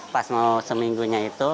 pas mau seminggunya itu